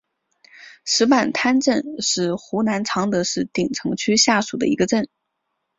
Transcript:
石板滩镇是湖南常德市鼎城区下属的一个镇。